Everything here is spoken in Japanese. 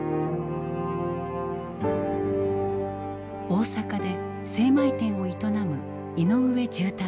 大阪で精米店を営む井上重太郎さん。